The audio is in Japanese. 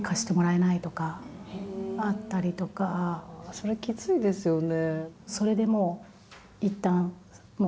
それきついですよね。